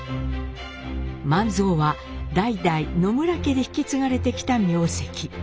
万蔵は代々野村家で引き継がれてきた名跡。